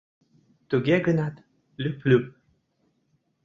Туге гынат лӱп-лӱп.